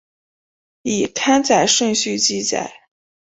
依刊载顺序记载。